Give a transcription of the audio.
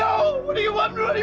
aku gak mati